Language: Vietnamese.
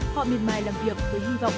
họ mịn mài làm việc với hy vọng